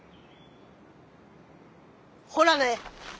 ほらね。